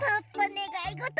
ねがいごと？